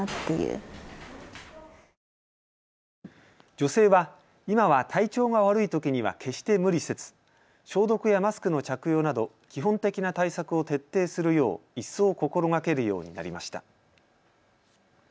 女性は今は体調が悪いときには決して無理せず消毒やマスクの着用など基本的な対策を徹底するよう一層心がけるようになりました。